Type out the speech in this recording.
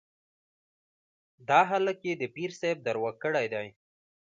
دا هلک يې د پير صاحب دروږ کړی دی.